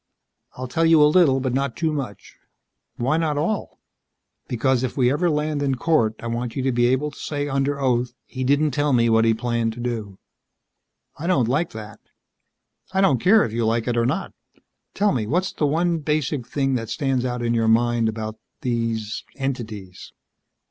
"I'll tell you a little, but not too much." "Why not all?" "Because if we ever land in court. I want you to be able to say under oath, 'He didn't tell me what he planned to do.'" "I don't like that." "I don't care if you like it or not. Tell me, what's the one basic thing that stands out in your mind about these entities?"